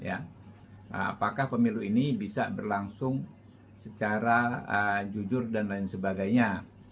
apakah pemilu ini bisa berlangsung secara jujur dan lain sebagainya